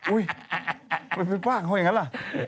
อุ๊ยมันว่างเขาอย่างนั้นหรอ